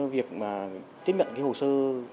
việc tiếp nhận hồ sơ